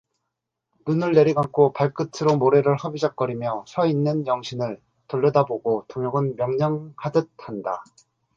눈을 내리감고 발끝으로 모래를 허비적거리며 서 있는 영신을 돌려다보고 동혁은 명령하 듯 한다.